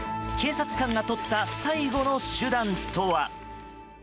警察官がとった最後の手段とは。